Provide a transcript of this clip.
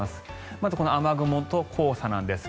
まず雨雲と黄砂なんですが。